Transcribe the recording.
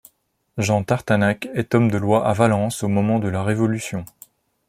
Jean Tartanac est homme de loi à Valence au moment de la Révolution.